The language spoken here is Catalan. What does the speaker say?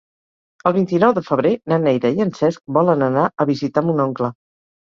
El vint-i-nou de febrer na Neida i en Cesc volen anar a visitar mon oncle.